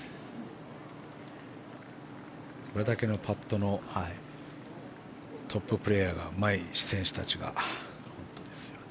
これだけのパットのトッププレーヤーがうまい選手たちが。